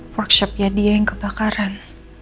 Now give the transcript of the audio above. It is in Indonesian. workshopnya dia yang kebakaran